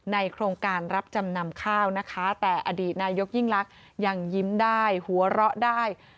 โครงการรับจำนำข้าวนะคะแต่อดีตนายกยิ่งลักษณ์ยังยิ้มได้หัวเราะได้